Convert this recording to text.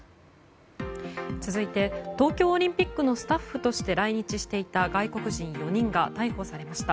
続いて、東京オリンピックのスタッフとして来日していた外国人４人が逮捕されました。